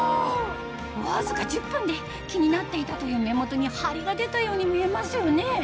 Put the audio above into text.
わずか１０分で気になっていたという目元にハリが出たように見えますよね